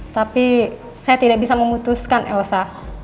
tapi saya tidak bisa memutuskan elsa